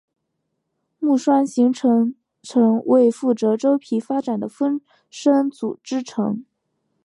木栓形成层为负责周皮发展的分生组织层。